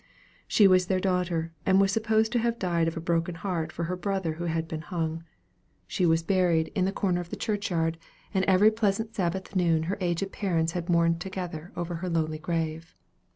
She was their daughter, and was supposed to have died of a broken heart for her brother who had been hung. She was buried in the corner of the churchyard, and every pleasant Sabbath noon her aged parents had mourned together over her lowly grave.